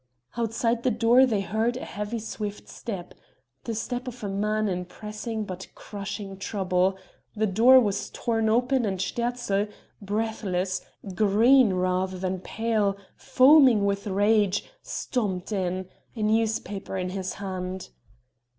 Outside the door they heard a heavy swift step the step of a man in pressing but crushing trouble; the door was torn open and Sterzl, breathless, green rather than pale, foaming with rage, stormed in a newspaper in his hand.